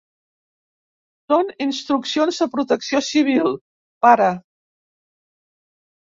Són instruccions de Protecció Civil, pare.